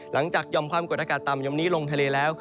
หย่อมความกดอากาศต่ำยอมนี้ลงทะเลแล้ว